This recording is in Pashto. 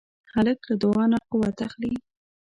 هلک له دعا نه قوت اخلي.